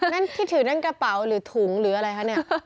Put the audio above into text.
นั่นที่ถือนั่นกระเป๋าหรือถุงหรืออะไรคะเนี่ย